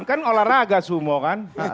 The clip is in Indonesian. kan olahraga sumo kan